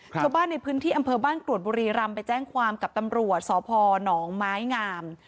ชาวบ้านในพื้นที่อำเภอบ้านกรวดบุรีรำไปแจ้งความกับตำรวจสพหนองไม้งาม